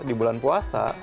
di bulan puasa